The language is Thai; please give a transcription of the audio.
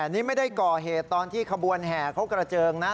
นี่ไม่ได้ก่อเหตุตอนที่ขบวนแห่เขากระเจิงนะ